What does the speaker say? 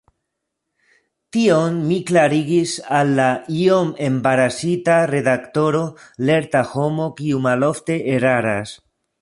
Tion mi klarigis al la iom embarasita redaktoro, lerta homo, kiu malofte eraras.